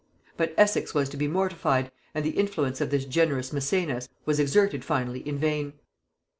But Essex was to be mortified, and the influence of this generous Mæcenas was exerted finally in vain.